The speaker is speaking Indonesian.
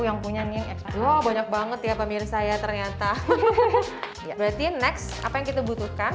yang punya nih banyak banget ya pamir saya ternyata berarti next apa yang kita butuhkan